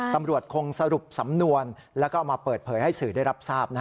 ตำรวจคงสรุปสำนวนแล้วก็เอามาเปิดเผยให้สื่อได้รับทราบ